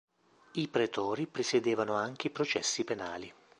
I pretori presiedevano anche i processi penali.